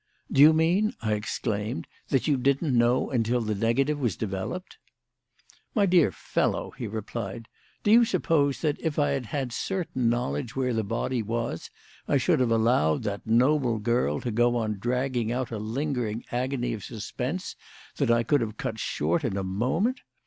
"Do you mean," I exclaimed, "that you didn't know until the negative was developed?" "My dear fellow," he replied, "do you suppose that, if I had had certain knowledge where the body was, I should have allowed that noble girl to go on dragging out a lingering agony of suspense that I could have cut short in a moment?